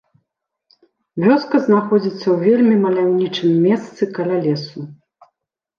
Вёска знаходзіцца ў вельмі маляўнічым месцы каля лесу.